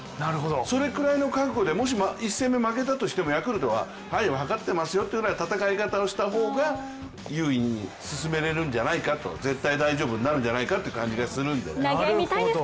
それぐらいの覚悟で、もし１戦目、負けたとしてもヤクルトははい、分かってますよという戦い方をした方が優位に進めれるんじゃないか、絶対大丈夫になるんじゃないかという気がするんです。